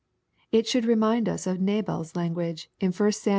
It should remind us of Nabal's language, in 1 Sam.